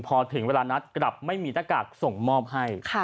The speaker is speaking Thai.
พอถึงเวลานัดกลับไม่มีหน้ากากส่งมอบให้